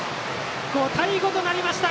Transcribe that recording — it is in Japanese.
５対５となりました。